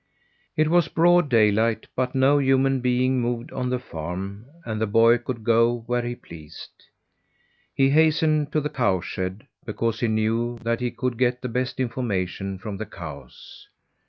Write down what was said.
It was broad daylight, but no human being moved on the farm and the boy could go where he pleased. He hastened to the cow shed, because he knew that he could get the best information from the cows.